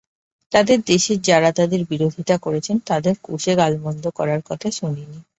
তাঁদের দেশের যাঁরা তাঁদের বিরোধিতা করেছেন, তাঁদের কষে গালমন্দ করার কথা শুনিনি।